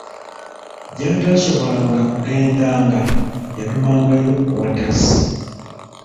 Gy'ataasobolanga kugendanga yatumangayo owa takisi!